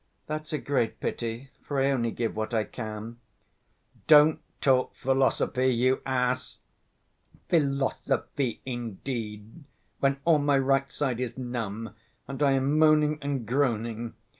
That's a great pity, for I only give what I can—" "Don't talk philosophy, you ass!" "Philosophy, indeed, when all my right side is numb and I am moaning and groaning.